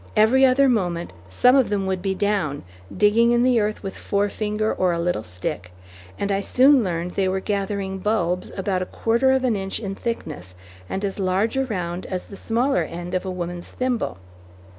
Every other moment some of them would be down, digging in the earth with forefinger or a little stick, and I soon learned they were gathering bulbs about a quarter of an inch in thickness and as large around as the smaller end of a woman's thimble.